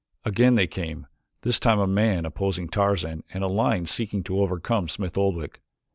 Again they came, this time a man opposing Tarzan and a lion seeking to overcome Smith Oldwick.